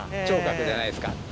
聴覚じゃないですか。